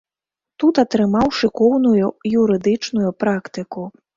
Тут атрымаў шыкоўную юрыдычную практыку.